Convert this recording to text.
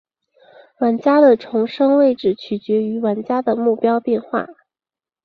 玩家的重生位置取决于玩家的目标变化。